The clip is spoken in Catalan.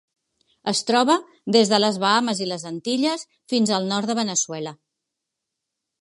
Es troba des de les Bahames i les Antilles fins al nord de Veneçuela.